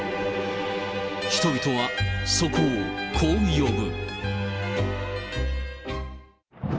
人々はそこをこう呼ぶ。